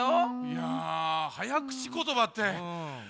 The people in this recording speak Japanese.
いやはやくちことばって。